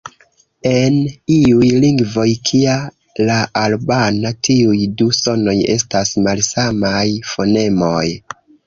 En iuj lingvoj, kia la albana, tiuj du sonoj estas malsamaj fonemoj.